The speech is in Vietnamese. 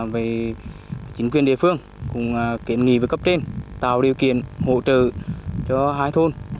về chính quyền địa phương cũng kiện nghị với cấp trên tạo điều kiện hỗ trợ cho hai thôn